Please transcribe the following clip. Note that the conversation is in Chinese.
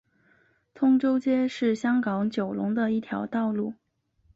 通州街是香港九龙的一条道路。